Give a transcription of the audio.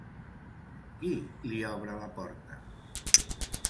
Qui li obre la porta?